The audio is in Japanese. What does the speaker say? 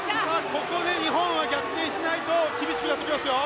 ここで日本は逆転しないと厳しくなってきますよ。